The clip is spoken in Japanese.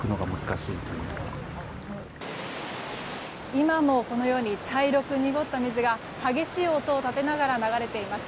今も、このように茶色く濁った水が激しい音を立てながら流れています。